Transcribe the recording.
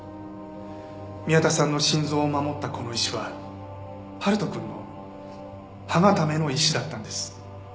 宮田さんの心臓を守ったこの石は春人くんの歯固めの石だったんです。